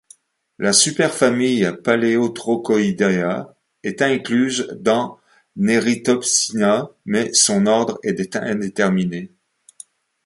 La superfamille Palaeotrochoidea est incluse dans Neritopsina mais son ordre est indéterminé.